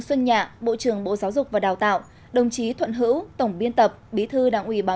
xuân nhạ bộ trưởng bộ giáo dục và đào tạo đồng chí thuận hữu tổng biên tập bí thư đảng ủy báo